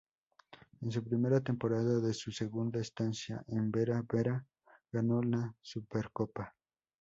En su primera temporada de su segunda estancia en Bera Bera, ganó la Supercopa.